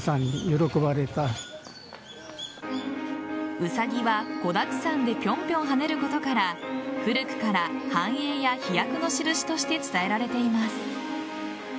ウサギは、子だくさんでぴょんぴょん跳ねることから古くから繁栄や飛躍の印として伝えられています。